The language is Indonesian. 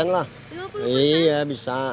dua kali lipat lah